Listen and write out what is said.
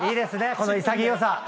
この潔さ。